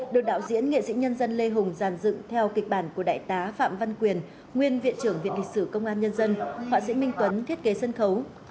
được đạo diễn nghệ sĩ nhân dân lê hùng giàn dựng theo kịch bản của đại tá phạm văn quyền nguyên viện trưởng viện lịch sử công an nhân dân họa sĩ minh tuấn thiết kế sân khấu